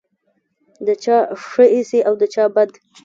د چا ښه ایسې او د چا بد.